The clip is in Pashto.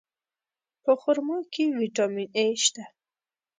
په خرما کې ویټامین A شته.